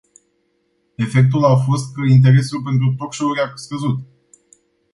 Efectul a fost că interesul pentru talk show-uri a scăzut.